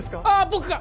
僕が！